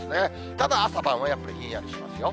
ただ、朝晩はやっぱりひんやりしますよ。